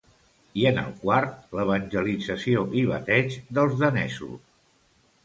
I en el quart, l'evangelització i bateig dels danesos.